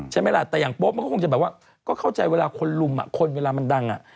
แต่อย่างโป๊ปคงจะเข้าใจเวลาคนรุมแล้วเข้าใจเวลามันดัง